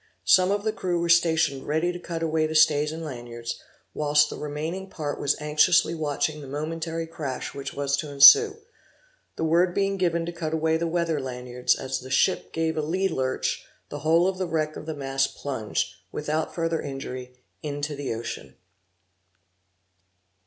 Some of the crew were stationed ready to cut away the stays and lanyards, whilst the remaining part was anxiously watching the momentary crash which was to ensue; the word being given to cut away the weather lanyards, as the ship gave a lee lurch, the whole of the wreck of the mast plunged, without further injury, into the ocean.